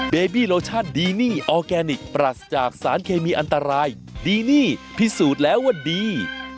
เบบี้โลชั่นดีนี่ออร์แกนิคปรัสจากสารเคมีอันตรายดีนี่พิสูจน์แล้วว่าดี